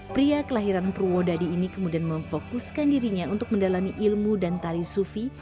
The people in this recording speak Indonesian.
pria kelahiran purwodadi ini kemudian memfokuskan dirinya untuk mendalami ilmu dan tari sufi